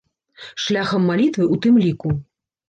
Шляхам малітвы ў тым ліку.